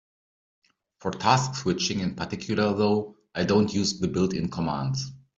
For task switching in particular, though, I don't use the built-in commands.